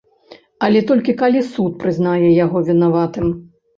Але толькі калі суд прызнае яго вінаватым.